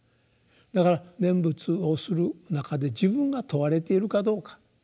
だから念仏をする中で自分が問われているかどうか。